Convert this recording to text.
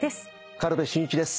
軽部真一です。